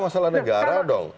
masalah negara dong